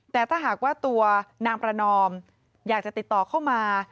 แต่ถ้าหากว่าตัวนางประนอมอยากจะติดต่อเข้ามา